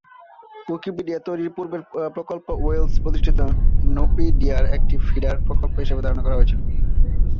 Wikipedia তৈরির পূর্বের প্রকল্প ওয়েলস-প্রতিষ্ঠিত নুপিডিয়ায় একটি ফিডার প্রকল্প হিসাবে ধারণা করা হয়েছিল।